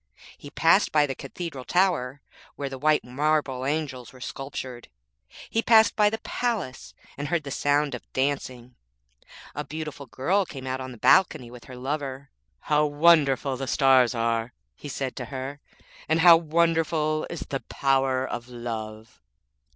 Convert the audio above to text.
He passed by the cathedral tower, where the white marble angels were sculptured. He passed by the palace and heard the sound of dancing. A beautiful girl came out on the balcony with her lover. 'How wonderful the stars are,' he said to her,'and how wonderful is the power of love!'